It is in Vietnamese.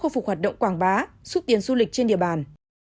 khôi phục hoạt động quảng bá xúc tiến du lịch trên địa bàn